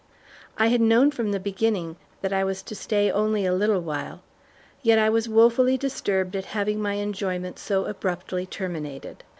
I had known from the beginning that I was to stay only a little while, yet I was woefully disturbed at having my enjoyment so abruptly terminated.